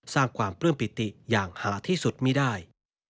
สร้างความปลื้มปิติอย่างหาที่สุดไม่ได้